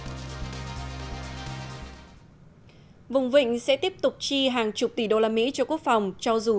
trong phần tin quốc tế các nước vùng vịnh tiếp tục chi hàng chục tỷ đô la mỹ cho quốc phòng cho dù giá dầu thấp